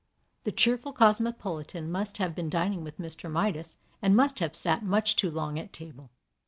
The cheerful cosmopolitan must have been dining with Mr. Midas, and must have sat much too long at table.